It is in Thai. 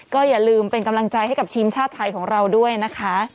ก็อย่าลืมเป็นกำลังใจให้กับทีมชาติไทยของเราด้วยนะคะ